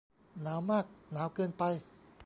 หนาวมาก หนาวเกินไป